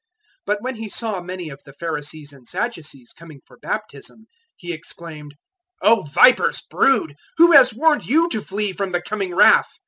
003:007 But when he saw many of the Pharisees and Sadducees coming for baptism, he exclaimed, "O vipers' brood, who has warned you to flee from the coming wrath?